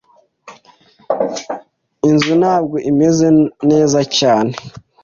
Inzu ntabwo imeze neza cyane.